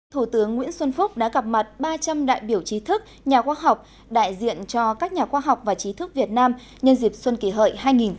thủ tướng nguyễn xuân phúc đã gặp mặt ba trăm linh đại biểu trí thức nhà khoa học đại diện cho các nhà khoa học và trí thức việt nam nhân dịp xuân kỷ hợi hai nghìn một mươi chín